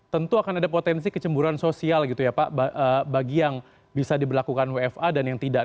tentu akan ada potensi kecemburan sosial gitu ya pak bagi yang bisa diberlakukan wfa dan yang tidak